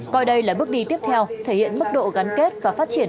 coi đây là bước đi tiếp theo thể hiện mức độ gắn kết và phát triển